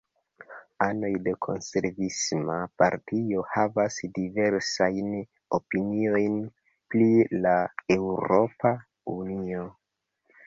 Anoj de Konservisma Partio havas diversajn opiniojn pri la Eŭropa Unio.